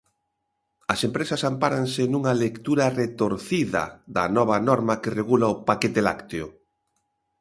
As empresas ampáranse nunha "lectura retorcida" da nova norma que regula o Paquete Lácteo.